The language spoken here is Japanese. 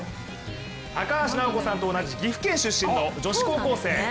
高橋尚子さんと同じ岐阜県出身の女子高校生。